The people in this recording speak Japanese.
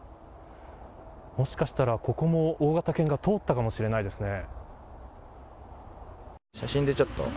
もしかしたら、ここも大型犬が通ったかもしれないですね。